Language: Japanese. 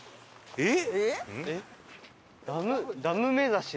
えっ？